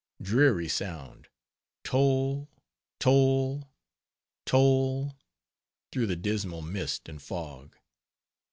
Dreary sound! toll, toll, toll, through the dismal mist and fog.